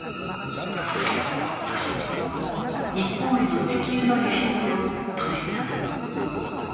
そして日本への石油の輸出を止めた。